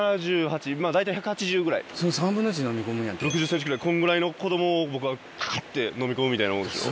６０ｃｍくらいこんぐらいの子供を僕がクッてのみ込むみたいなもんでしょ？